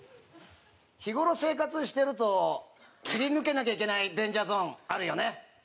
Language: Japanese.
日頃生活してると切り抜けなきゃいけないデンジャー・ゾーンあるよね？